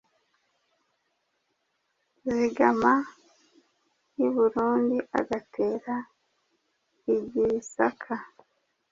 Zigama cy’i Burundi agatera i Gisaka.